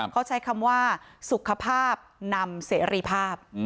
เขาใช้คำว่าสุขภาพนำเสรีภาพ